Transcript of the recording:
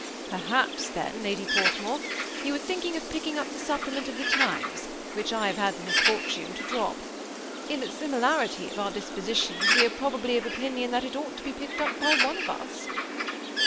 " Perhaps then. Lady Portmore, you are thinking of picking up the supplement of the * Times,' which I have had the misfortune to drop. In the similarity of our dispositions we are probably of opinion that it ought to be picked up by one of us."